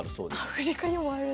アフリカにもあるんだ。